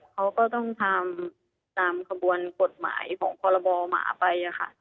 เขาก็ต้องทำตามขบวนกฎหมายของพรบหมาไปค่ะ